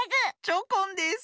チョコンです。